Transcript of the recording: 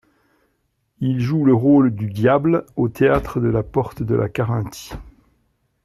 Il joue le rôle du diable au théâtre de la Porte de la Carinthie.